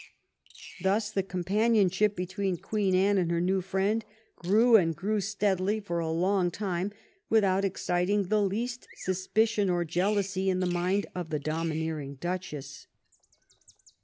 Thus the companionship between Queen Anne and her new friend grew and grew steadily for a long time without exciting the least suspicion or jealousy in the mind of the domineering Duchess.